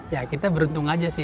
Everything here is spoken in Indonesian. ya kita beruntung aja sih